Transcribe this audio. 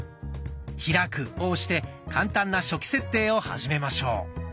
「開く」を押して簡単な初期設定を始めましょう。